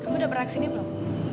kamu udah berani sini belum